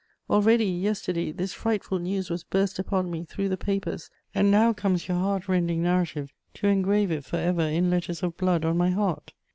Already, yesterday, this frightful news was burst upon me through the papers, and now comes your heart rending narrative to engrave it for ever in letters of blood on my heart.